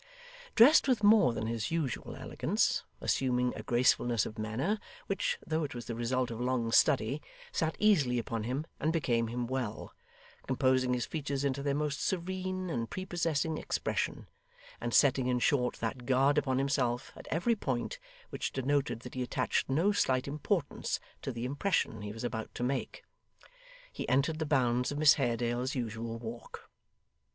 Dressed with more than his usual elegance; assuming a gracefulness of manner, which, though it was the result of long study, sat easily upon him and became him well; composing his features into their most serene and prepossessing expression; and setting in short that guard upon himself, at every point, which denoted that he attached no slight importance to the impression he was about to make; he entered the bounds of Miss Haredale's usual walk.